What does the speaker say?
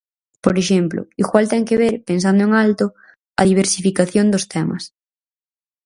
Por exemplo, igual ten que ver, pensando en alto, a diversificación dos temas.